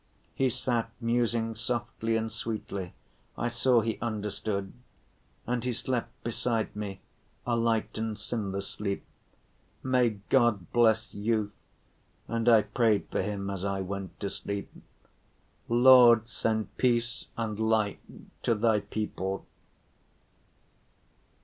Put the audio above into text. He sat musing softly and sweetly. I saw he understood. And he slept beside me a light and sinless sleep. May God bless youth! And I prayed for him as I went to sleep. Lord, send peace and light to Thy people!